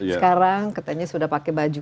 sekarang katanya sudah pakai baju